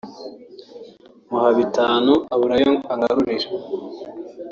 muha bitanu abura ayo angarurira